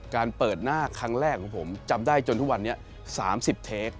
การเปิดหน้าครั้งแรกของผมจำได้จนทุกวันนี้๓๐เทป